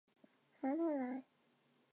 来来来